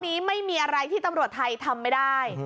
นี้ไม่มีอะไรที่ตำรวจไทยทำไม่ได้